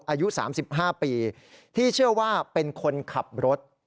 อายุ๓๕ปีที่เชื่อว่าเป็นคนขับรถ